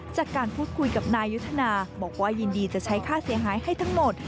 จากการพูดคุยกับนายุทธนาบอกว่ายินดีจะใช้ค่าเสียหายให้ทั้งหมด